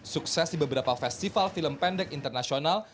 sukses di beberapa festival film pendek internasional